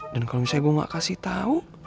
dan kalau misalnya gue gak kasih tau